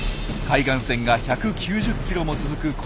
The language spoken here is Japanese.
海岸線が１９０キロも続く